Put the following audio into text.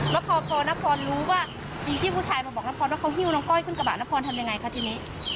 แล้วพอนพรรู้ว่ามีพี่ผู้ชายมาบอกนพรว่าเขาหิ้วน้องก้อยขึ้นกระบะนพรทำยังไงคะทีนี้